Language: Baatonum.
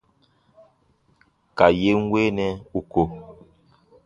Ka yè n weenɛ ù ko.